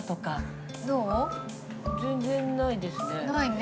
全然ないですね。